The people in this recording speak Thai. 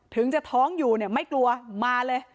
ถึงจะท้องอยู่เนี่ยไม่กลัวมาเลย